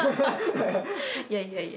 いやいやいや。